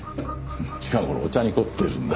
近頃お茶に凝ってるんだ。